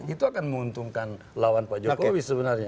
itu akan menguntungkan lawan pak jokowi sebenarnya